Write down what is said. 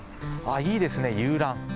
いいですね、遊覧。